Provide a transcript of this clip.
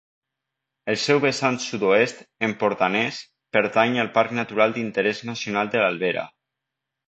El seu vessant sud-oest, empordanès, pertany al Parc Natural d'Interès Nacional de l'Albera.